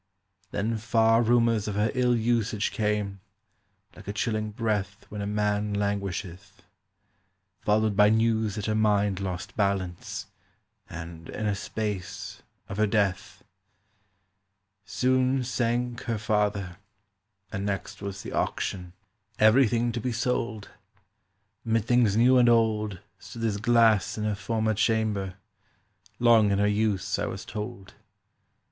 "Then far rumours of her ill usage Came, like a chilling breath When a man languisheth; Followed by news that her mind lost balance, And, in a space, of her death. "Soon sank her father; and next was the auction— Everything to be sold: Mid things new and old Stood this glass in her former chamber, Long in her use, I was told.